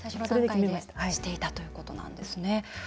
最初の段階でしていたということなんですね。